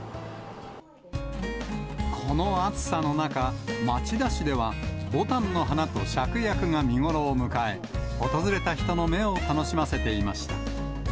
この暑さの中、町田市では、ぼたんの花としゃくやくが見頃を迎え、訪れた人の目を楽しませていました。